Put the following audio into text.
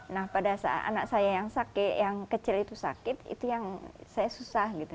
nah pada saat anak saya yang sakit yang kecil itu sakit itu yang saya susah gitu